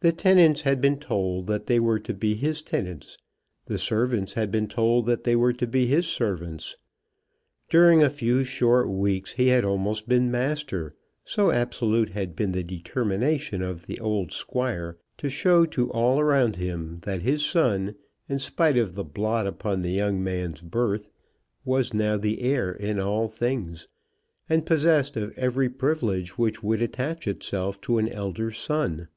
The tenants had been told that they were to be his tenants. The servants had been told that they were to be his servants. During a few short weeks, he had almost been master, so absolute had been the determination of the old Squire to show to all around him that his son, in spite of the blot upon the young man's birth, was now the heir in all things, and possessed of every privilege which would attach itself to an elder son.